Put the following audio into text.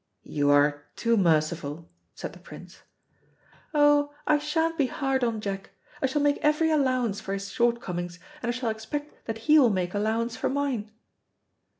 "You are too merciful," said the Prince. "Oh, I sha'n't be hard on Jack. I shall make every allowance for his shortcomings, and I shall expect that he will make allowance for mine."